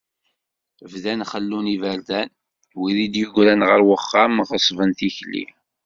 Bdan xellun iberdan, wid i d-yegran, ɣer wexxam ɣeṣben tikli.